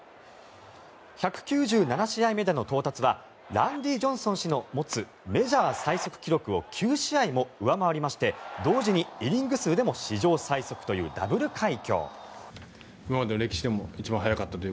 １９７試合目での到達はランディ・ジョンソン氏の持つメジャー最速記録を９試合も上回りまして同時にイニング数でも史上最速というダブル快挙。